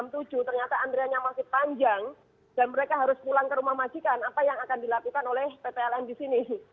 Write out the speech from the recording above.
masih panjang dan mereka harus pulang ke rumah majikan apa yang akan dilakukan oleh pt ln di sini